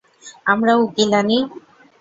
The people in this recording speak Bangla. আমরাও উকিল আনি?